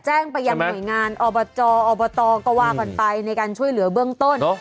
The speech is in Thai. แจ้งไปยังหน่วยงานอบจอบตก็ว่ากันไปในการช่วยเหลือเบื้องต้น